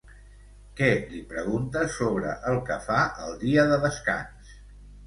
Què li pregunta sobre el que fa el dia de descans?